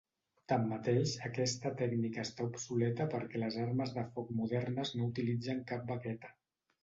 Tanmateix, aquesta tècnica està obsoleta perquè les armes de foc modernes no utilitzen cap baqueta.